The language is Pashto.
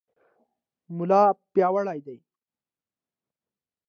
ملا پیاوړی دی.